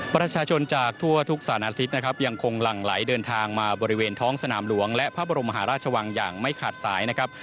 ประชาชนจากทั่วทุกสารอาทิตย์นะครับยังคงหลั่งไหลเดินทางมาบริเวณท้องสนามหลวงและพระบรมมหาราชวังอย่างไม่ขาดสายนะครับ